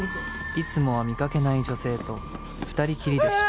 いつもは見かけない女性と２人きりでした。